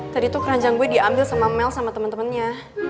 tadi tuh keranjang gue diambil sama mel sama teman temannya